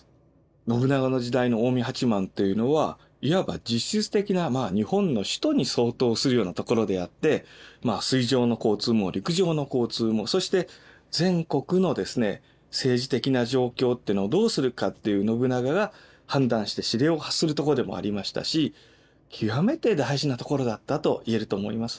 信長の時代の近江八幡というのはいわば実質的な日本の首都に相当するようなところであってまあ水上の交通も陸上の交通もそして全国の政治的な状況ってのをどうするかっていう信長が判断して指令を発するとこでもありましたし極めて大事なところだったと言えると思います。